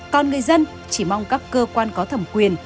còn người dân chỉ mong các cơ quan có thẩm quyền